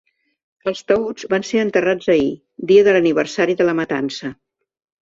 Els taüts van ser enterrats ahir, dia de l’aniversari de la matança.